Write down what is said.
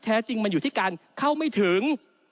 จริงมันอยู่ที่การเข้าไม่ถึง